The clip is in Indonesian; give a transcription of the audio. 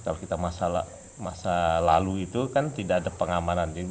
kalau kita masa lalu itu kan tidak ada pengamanan